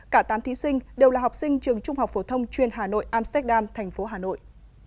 cả tám thí sinh đều là học sinh trường trung học phổ thông chuyên hà nội amsterdam thành phố hà nội